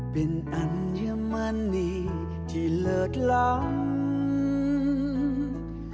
เป็นอัญมณีที่เลิศล